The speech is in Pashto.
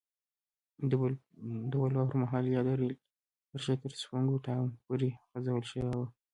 د بلوا پر مهال یاده رېل کرښه تر سونګو ټاون پورې غځول شوې وه.